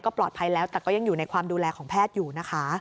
ปลอดภัยแล้วแต่ก็ยังอยู่ในความดูแลของแพทย์อยู่นะคะ